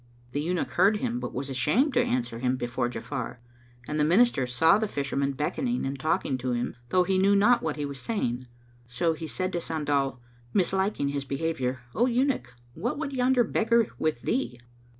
The Eunuch heard him, but was ashamed to answer him before Ja'afar; and the Minister saw the Fisherman beckoning and talking to him, though he knew not what he was saying; so he said to Sandal, misliking his behaviour, "O Eunuch, what would yonder beggar with thee?"